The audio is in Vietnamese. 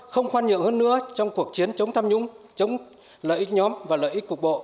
không khoan nhượng hơn nữa trong cuộc chiến chống tham nhũng chống lợi ích nhóm và lợi ích cục bộ